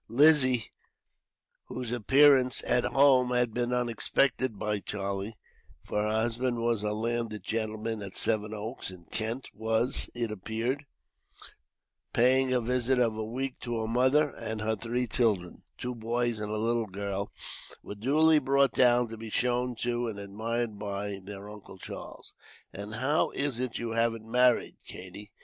Lizzie, whose appearance at home had been unexpected by Charlie, for her husband was a landed gentleman at Seven Oaks, in Kent, was, it appeared, paying a visit of a week to her mother; and her three children, two boys and a little girl, were duly brought down to be shown to, and admired by, their Uncle Charles. "And how is it you haven't married, Katie?